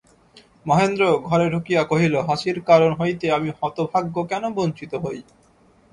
মহেন্দ্র ঘরে ঢুকিয়া কহিল, হাসির কারণ হইতে আমি হতভাগ্য কেন বঞ্চিত হই।